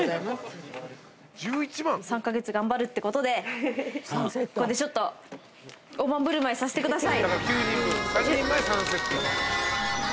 ３カ月頑張るってことでここでちょっと大盤振る舞いさせてください。